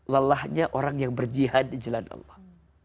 lelahnya orang yang berjihad di jalan allah